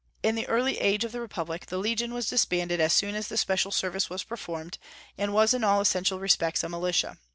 In the early age of the republic the legion was disbanded as soon as the special service was performed, and was in all essential respects a militia.